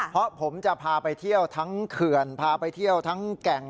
เพราะผมจะพาไปเที่ยวทั้งเขื่อนพาไปเที่ยวทั้งแก่ง